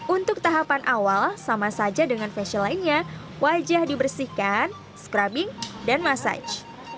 untuk tahapan awal sama saja dengan fashion lainnya wajah dibersihkan scrubming dan massage